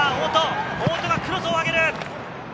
大戸がクロスを上げる。